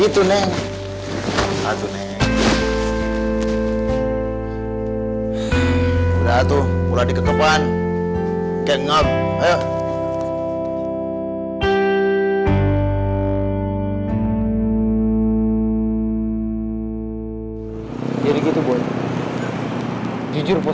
tuh kan abah meja